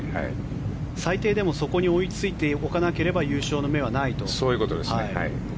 最低でもそこに追いついておかなければそういうことです。